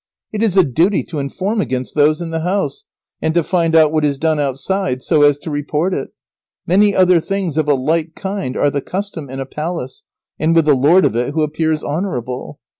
It is a duty to inform against those in the house, and to find out what is done outside, so as to report it. Many other things of a like kind are the custom in a palace, and with the lord of it, who appears honourable.